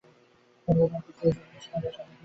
লণ্ডনে একজন সুইস যুবকের সঙ্গে আমার সাক্ষাৎ হয়েছিল।